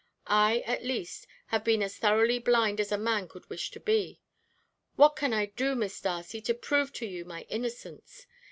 I, at least, have been as thoroughly blind as a man could wish to be. What can I do, Miss Darcy, to prove to you my innocence?